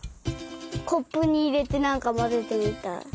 コップにいれてなんかまぜてみたい。